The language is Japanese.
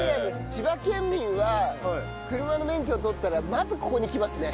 千葉県民は車の免許を取ったらまずここに来ますね。